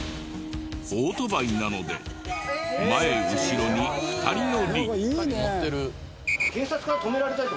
オートバイなので前後ろに２人乗り。